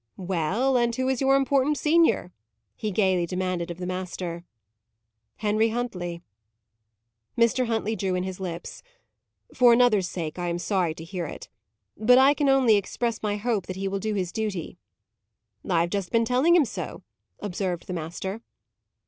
"Well, and who is your important senior?" he gaily demanded of the master. "Henry Huntley." Mr. Huntley drew in his lips. "For another's sake I am sorry to hear it. But I can only express my hope that he will do his duty." "I have just been telling him so," observed the master.